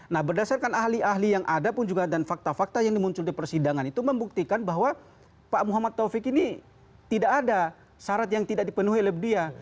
nah berdasarkan ahli ahli yang ada pun juga dan fakta fakta yang muncul di persidangan itu membuktikan bahwa pak muhammad taufik ini tidak ada syarat yang tidak dipenuhi oleh dia